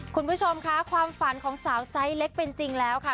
คุณผู้ชมค่ะความฝันของสาวไซส์เล็กเป็นจริงแล้วค่ะ